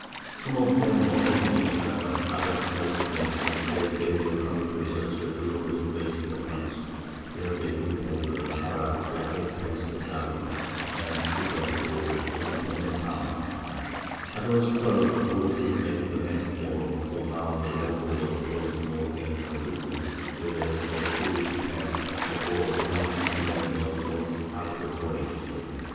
Some of them were hugging each other, others blessing themselves that they were come to such a glorious Place for Punch, where they could have Arack for 8 Pence per Gallon, and Sugar for 1 Peny a Pound; others quarrelling who should make the next Bowl, for now the Labour was worth more than the Liquor, whereas a few Weeks past, a Bowl of Punch to them was worth half the Voyage.